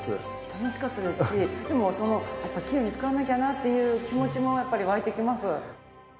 楽しかったですしでもきれいに使わなきゃなっていう気持ちもやっぱり湧いてきます。